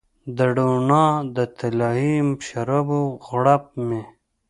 د روڼا د طلایې شرابو غوړپ مې